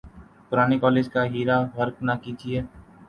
پرانے کالج کا بیڑہ غرق نہ کیجئے۔